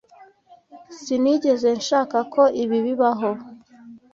Sinigeze nshaka ko ibi bibaho.